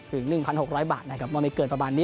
๑๖๐๐บาทนะครับว่าไม่เกินประมาณนี้